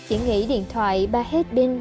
chỉ nghỉ điện thoại ba hết pin